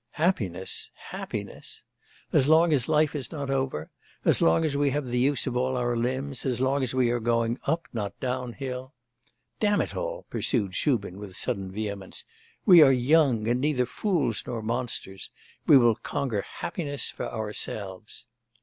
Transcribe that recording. Happiness! happiness! as long as life is not over, as long as we have the use of all our limbs, as long as we are going up, not down, hill! Damn it all!' pursued Shubin with sudden vehemence, 'we are young, and neither fools nor monsters; we will conquer happiness for ourselves!